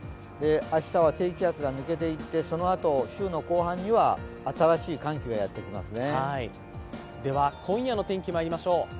明日は低気圧が抜けていって、そのあと、週の後半には新しい寒気がやってきますね。